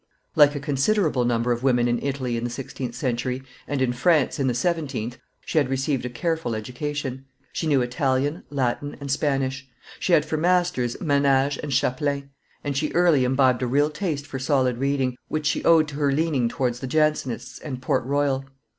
Like a considerable number of women in Italy in the sixteenth century, and in France in the seventeenth, she had received a careful education. She knew Italian, Latin, and Spanish; she had for masters Menage and Chapelain; and she early imbibed a real taste for solid reading, which she owed to her leaning towards the Jansenists and Port Royal.